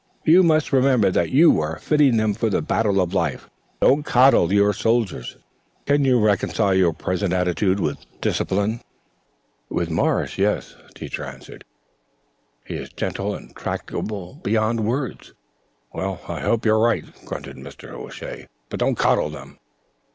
You must remember that you are fitting them for the battle of life. Don't coddle your soldiers. Can you reconcile your present attitude with discipline?" "With Morris yes," Teacher answered. "He is gentle and tractable beyond words." "Well, I hope you're right," grunted Mr. O'Shea, "but don't coddle them."